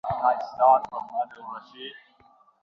তুমি কি রাষ্ট্রপতি ভবনে যাবে?